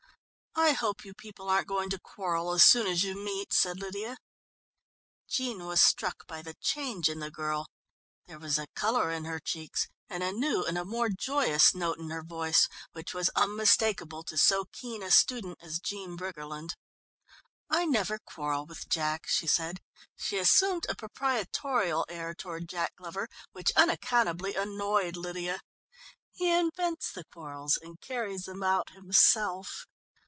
"I hope you people aren't going to quarrel as soon as you meet," said Lydia. Jean was struck by the change in the girl. There was a colour in her cheeks, and a new and a more joyous note in her voice, which was unmistakable to so keen a student as Jean Briggerland. "I never quarrel with Jack," she said. She assumed a proprietorial air toward Jack Glover, which unaccountably annoyed Lydia. "He invents the quarrels and carries them out himself.